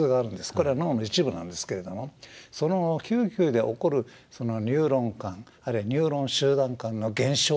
これは脳の一部なんですけれどもその嗅球で起こるニューロン間あるいはニューロン集団間の現象